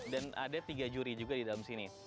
dan ada tiga juri juga di dalam sini